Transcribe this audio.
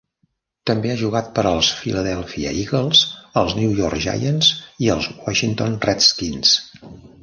També ha jugat per als Philadelphia Eagles, els New York Giants i els Washington Redskins.